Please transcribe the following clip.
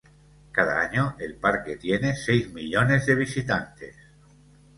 Cada año, el parque tiene seis millones de visitantes.